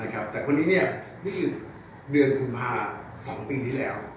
แต่คนนี้เมื่อเดือนกุมภา๒ปีที่แล้ว